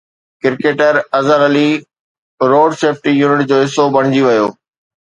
cricketer Azhar Ali road safety unit جو حصو بڻجي ويو